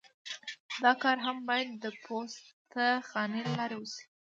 دا کار هم باید د پوسته خانې له لارې وشي